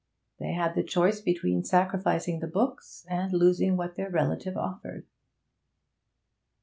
They had the choice between sacrificing the books and losing what their relative offered.